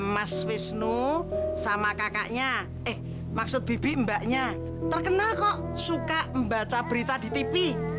mas wisnu sama kakaknya eh maksud bibi mbaknya terkenal kok suka membaca berita di tv